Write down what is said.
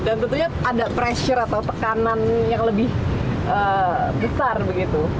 dan tentunya ada pressure atau tekanan yang lebih besar begitu